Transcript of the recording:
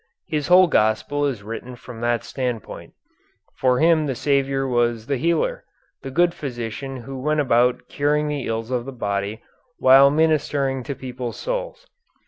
His whole gospel is written from that standpoint. For him the Saviour was the healer, the good physician who went about curing the ills of the body, while ministering to people's souls.